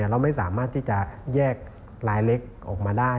เราไม่สามารถที่จะแยกลายเล็กออกมาได้